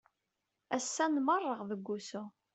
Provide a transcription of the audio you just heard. Ass-a nmerreɣ deg usu.